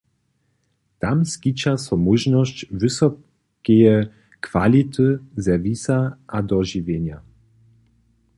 Tam skića so móžnosće wysokeje kwality serwisa a dožiwjenja.